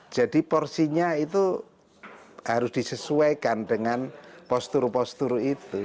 jadi porsinya itu harus disesuaikan dengan postur postur itu